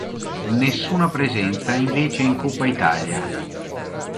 Nessuna presenza invece in Coppa Italia.